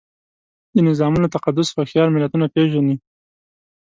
د نظامونو تقدس هوښیار ملتونه پېژني.